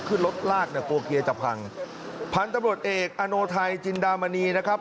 ขึ้นรถลากเนี่ยกลัวเกียร์จะพังพันธุ์ตำรวจเอกอโนไทยจินดามณีนะครับ